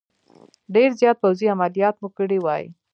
ډېر زیات پوځي عملیات مو کړي وای.